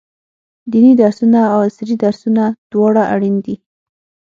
ديني درسونه او عصري درسونه دواړه اړين دي.